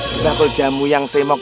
kita kerja mu yang semok